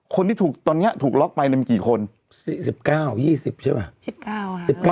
คนที่ถูกตอนเนี้ยถูกล็อกไปมีกี่คนสิบเก้ายี่สิบใช่ปะสิบเก้าสิบเก้า